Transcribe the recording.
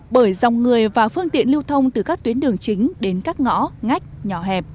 bởi dòng người và phương tiện lưu thông từ các tuyến đường chính đến các ngõ ngách nhỏ hẹp